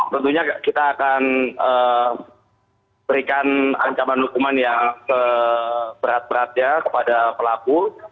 tentunya kita akan berikan ancaman hukuman yang seberat beratnya kepada pelaku